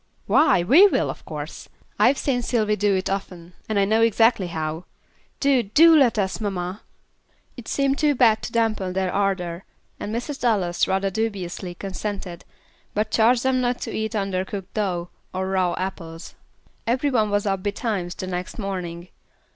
"Why, we will, of course. I've seen Sylvy do it often, and I know exactly how. Do, do let us, mamma." It seemed too bad to dampen their ardor, and Mrs. Dallas, rather dubiously, consented, but charged them not to eat under cooked dough, or raw apples. Every one was up betimes the next morning.